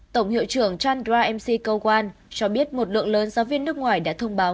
tổng hiệu trưởng chandra mc câu quan cho biết một lượng lớn giáo viên nước ngoài đã thông báo